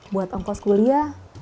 buat ongkos kuliah